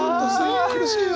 苦しいよ。